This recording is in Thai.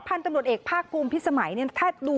พันธุ์ตำรวจเอกภาคภูมิพิสมัยเนี่ยถ้าดู